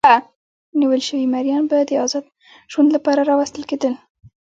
نیول شوي مریان به د ازاد ژوند لپاره راوستل کېدل.